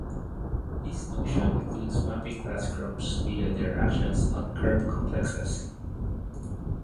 This notion includes mapping class groups via their actions on curve complexes.